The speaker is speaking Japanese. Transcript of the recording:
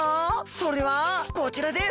それはこちらです！